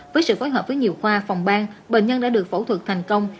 với sự phối hợp với nhiều khoa phòng bang bệnh nhân đã được phẫu thuật thành công